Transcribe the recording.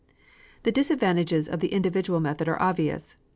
The disadvantages of the individual method are obvious.